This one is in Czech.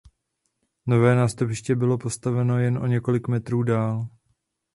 Nové nástupiště bylo postaveno jen o několik metrů dál.